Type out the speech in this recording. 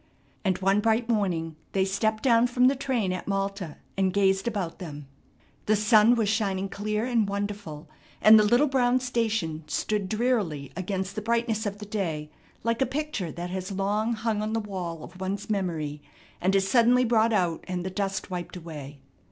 And one bright morning, they stepped down from the train at Malta and gazed about them. The sun was shining clear and wonderful, and the little brown station stood drearily against the brightness of the day like a picture that has long hung on the wall of one's memory and is suddenly brought out and the dust wiped away.